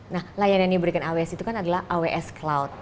nah layanan yang diberikan aws itu kan adalah aws cloud